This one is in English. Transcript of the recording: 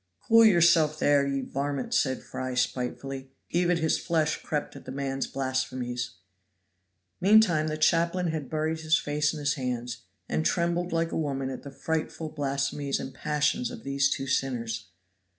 "Cool yourself there, ye varmint," said Fry spitefully. Even his flesh crept at the man's blasphemies. Meantime, the chaplain had buried his face in his hands, and trembled like a woman at the frightful blasphemies and passions of these two sinners.